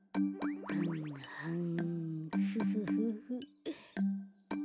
はんはんフフフフ。